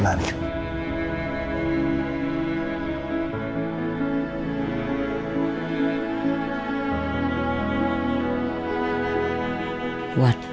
kalian mungkin braid braid sukses